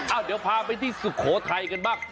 เดี๋ยวพาไปที่สุโขทัยกันบ้าง